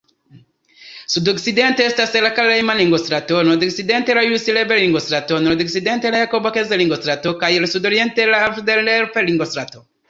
Sudokcidente estas la Karl-Reimann-ringostrato, nordokcidente la Julius-Leber-ringostrato, nordoriente la Jakob-Kaiser-ringostrato kaj sudoriente la Alfred-Delp-ringostrato.